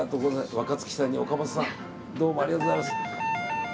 若槻さんに岡本さんどうもありがとうございます。